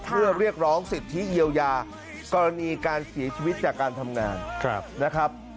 เพื่อเรียกร้องสิทธิเยียวยากรณีการเสียชีวิตจากการทำงานนะครับ